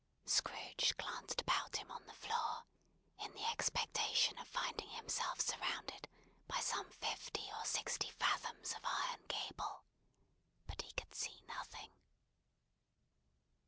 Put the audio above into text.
Scrooge glanced about him on the floor, in the expectation of finding himself surrounded by some fifty or sixty fathoms of iron cable: but he could see nothing.